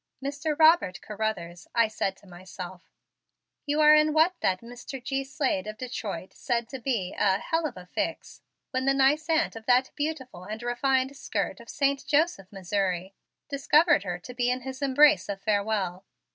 "Mr. Robert Carruthers," I said to myself, "you are in what that Mr. G. Slade of Detroit said to be a 'hell of a fix' when the nice aunt of that beautiful and refined 'skirt' of Saint Joseph, Missouri, discovered her to be in his embrace of farewell.